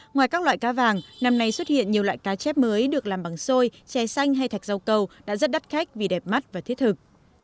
ngoài các loại cá vàng năm nay xuất hiện nhiều loại cá chép mới được làm bằng xôi che xanh hay thạch rau cầu đã rất đắt khách vì đẹp mắt và thiết thực